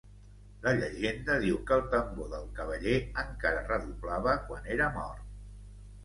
La llegenda diu que el tambor del cavaller encara redoblava quan era mort.